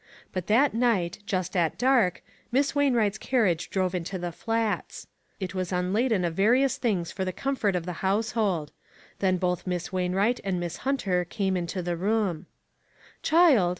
But that night, just at dark, Miss Wainwright's carriage drove into the Flats. It was unladen of various things for the comfort of the household ; then both Miss Wainwright and Miss Hunter came into the room.